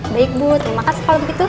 baik bu terima kasih kalau begitu